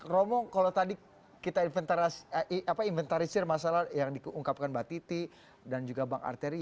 romo kalau tadi kita inventarisir masalah yang diungkapkan mbak titi dan juga bang arteri